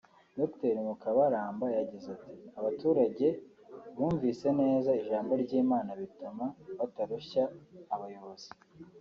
Dr Mukabaramba yagize ati "Abaturage bumvise neza ijambo ry’Imana bituma batarushya abayobozi